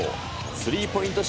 スリーポイント